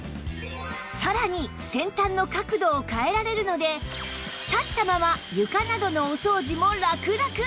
さらに先端の角度を変えられるので立ったまま床などのお掃除もラクラク！